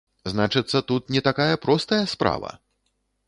Значыцца, тут не такая простая справа!